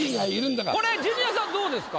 これジュニアさんどうですか？